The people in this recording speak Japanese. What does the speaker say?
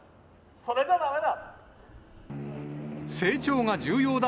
それじゃだめだ。